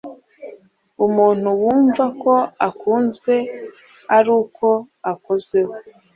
umuntu wumva ko akunzwe ari uko akozweho